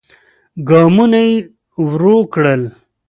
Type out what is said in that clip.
ګامونه يې ورو کړل.